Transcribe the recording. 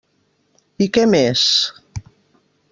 I què més?